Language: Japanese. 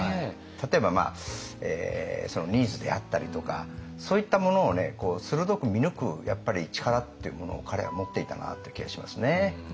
例えばニーズであったりとかそういったものを鋭く見抜く力っていうものを彼は持っていたなという気がしますね。